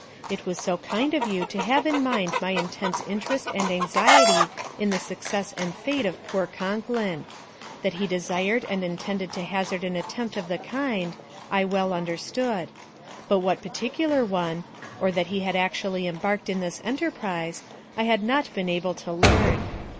It was so kind of you to have in mind my intense interest and anxiety in the success and fate of poor Concklin! That he desired and intended to hazard an attempt of the kind, I well understood; but what particular one, or that he had actually embarked in the enterprise, I had not been able to learn.